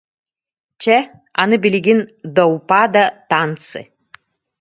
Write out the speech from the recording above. Чэ, аны билигин до упада танцы